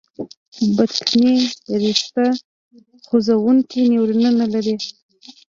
بطني رشته خوځېدونکي نیورونونه لري.